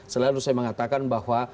selalu saya mengatakan bahwa